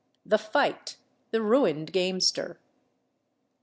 THE FIGHT.—THE RUINED GAMESTER.